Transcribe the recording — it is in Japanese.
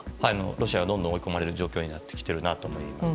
ロシアがどんどん追い込まれてる状況になっているなと思います。